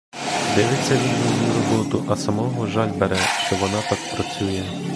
Дивиться він на її роботу, а самого жаль бере, що вона так працює.